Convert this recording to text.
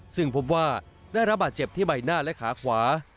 ซึ่งพบว่าได้รับบาดเจ็บที่ใบหน้าและขาขวา